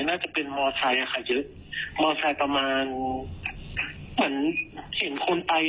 น่าจะเป็นมอไซค์อะค่ะเยอะมอไซค์ประมาณเหมือนเห็นคนไป